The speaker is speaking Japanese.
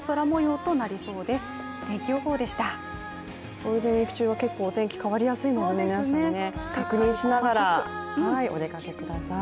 ゴールデンウイーク中は結構お天気変わりやすいので、皆さん、確認しながらお出かけください。